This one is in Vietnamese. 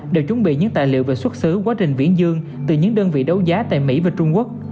đều chuẩn bị những tài liệu về xuất xứ quá trình viễn dương từ những đơn vị đấu giá tại mỹ và trung quốc